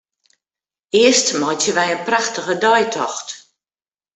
Earst meitsje wy in prachtige deitocht.